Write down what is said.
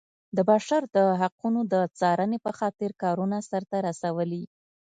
د بشر د حقونو د څارنې په خاطر کارونه سرته رسولي.